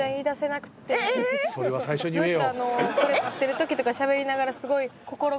これ待ってるときとかしゃべりながらすごい。